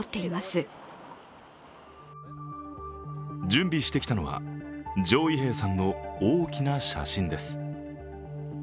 準備してきたのは常イ平さんの大きな写真です。